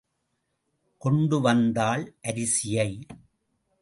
கொண்டு வந்தாள் அரிசியை.